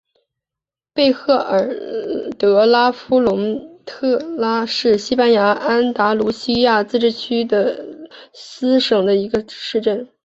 贝赫尔德拉夫龙特拉是西班牙安达卢西亚自治区加的斯省的一个市镇。